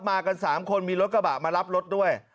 มากัน๓คนมีรถกระบะมารับรถด้วย